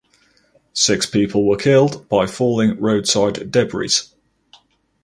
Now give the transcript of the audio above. Six people were killed by falling roadside debris.